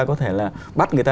có thể là bắt người ta